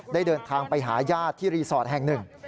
ได้เดินทางไปหาญาติที่รีสอร์ทแห่งหนึ่ง